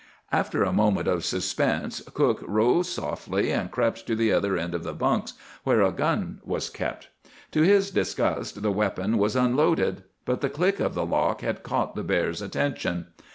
"After a moment of suspense, cook rose softly and crept to the other end of the bunks, where a gun was kept. To his disgust the weapon was unloaded. But the click of the lock had caught the bear's attention.